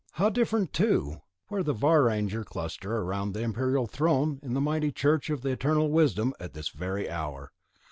How different, too, where the Varanger cluster round the imperial throne in the mighty church of the Eternal Wisdom at this very hour.